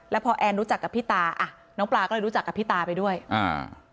แล้วพอแอนรู้จักกับพี่ตาอ่ะน้องปลาก็เลยรู้จักกับพี่ตาไปด้วยอ่า